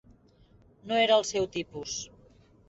No era el seu tipus.